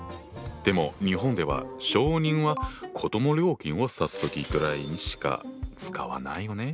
でも日本では小人は子ども料金を指す時ぐらいにしか使わないよね？